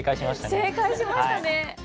正解しましたね。